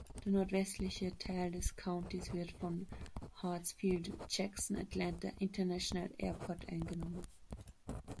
Der nordwestlichste Teil des Countys wird vom Hartsfield–Jackson Atlanta International Airport eingenommen.